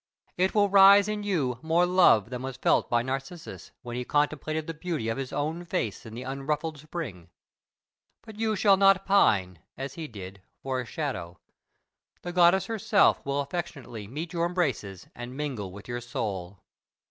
It will raise in you more love than was felt by Narcissus, when he contemplated the beauty of his own face in the unruffled spring. But you shall not pine, as he did, for a shadow. The goddess herself will affectionately meet your embraces and mingle with your soul.